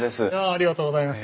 ありがとうございます。